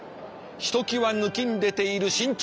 ひときわぬきんでている身長。